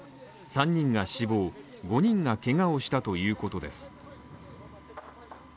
３人が死亡、５人がけがをしたということです。